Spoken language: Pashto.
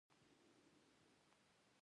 تعلیم نجونو ته د دلیل راوړلو ځواک ورکوي.